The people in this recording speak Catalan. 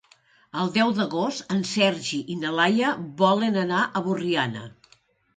El deu d'agost en Sergi i na Laia volen anar a Borriana.